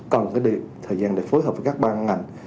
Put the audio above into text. cần cái thời gian để phối hợp với các ban ngành